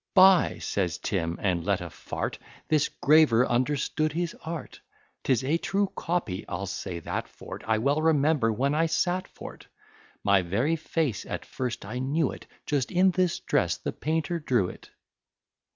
"By ," says Tim, and let a f t, "This graver understood his art. 'Tis a true copy, I'll say that for't; I well remember when I sat for't. My very face, at first I knew it; Just in this dress the painter drew it."